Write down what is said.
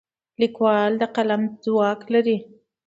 لیکوال د قلم ځواک لري.